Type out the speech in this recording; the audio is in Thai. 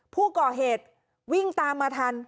ผู้ก่อเหตุวิ่งตามมาทัน